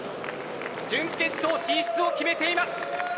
準決勝進出を決めています。